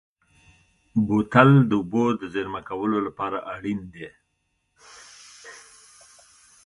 بوتل د اوبو د زېرمه کولو لپاره اړین دی.